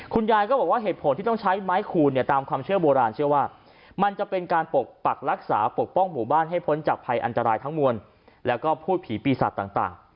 คุณยายก็บอกว่าเหตุผลที่ต้องใช้ไม้คูณเนี่ยตามความเชื่อโบราณเชื่อว่ามันจะเป็นการปกปักรักษาปกป้องหมู่บ้านให้พ้นจากภัยอันตรายทั้งมวลแล้วก็พูดผีปีศาจต่าง